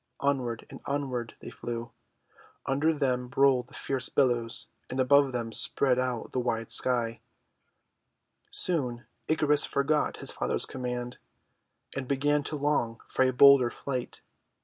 Onward and onward they flew. Under them rolled the fierce billows, and above them spread out the wide sky. Soon Icarus forgot his father's command, and THE MAN IN THE MOON 251 began to long for a bolder flight.